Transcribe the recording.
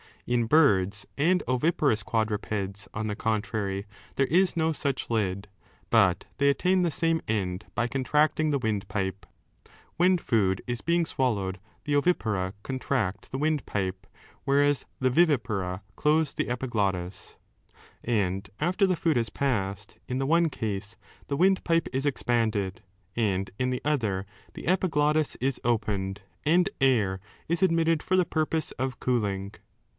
In birds and ovi A76b parous quadrupeds, on the contrary, there is no such lid, but they attain the same end by contracting the windpipe.^ When food is being swallowed, the ovipara contract the windpipe, whereas the vivipara close the 5 epiglottis. And after the food has passed, in the one case the windpipe is expanded, and in the other the epiglottis is opened, and air is admitted for the purpose of cooling.